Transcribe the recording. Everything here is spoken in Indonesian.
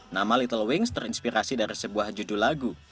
nama little wings terinspirasi dari sebuah judul lagu